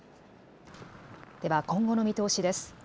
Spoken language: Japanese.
では、今後の見通しです。